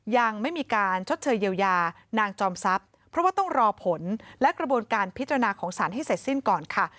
ยังไม่มีการชดเชยเยียวยานางจอมทรัพย์เพราะว่าต้องรอผลและกระบวนการพิจารณาของสารให้เสร็จสิ้นก่อนค่ะ